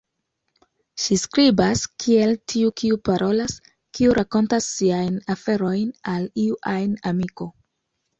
Ŝi skribas kiel tiu kiu parolas, kiu rakontas siajn aferojn al iu ajn amiko.